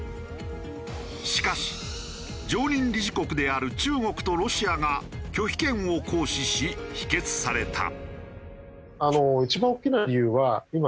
しかし常任理事国である中国とロシアが拒否権を行使し否決された。